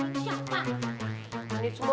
bikin momi dedengkan